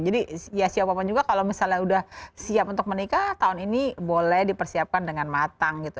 jadi ya siapa pun juga kalau misalnya udah siap untuk menikah tahun ini boleh dipersiapkan dengan matang gitu